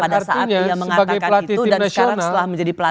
pada saat dia mengatakan itu dan sekarang setelah menjadi pelatih